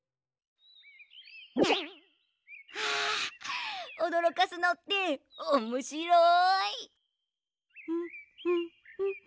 あおどろかすのっておもしろい！